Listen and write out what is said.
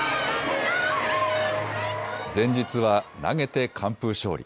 前日は投げて完封勝利。